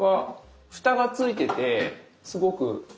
蓋が付いててすごくいい。